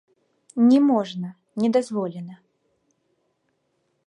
Не можна, не дазволена.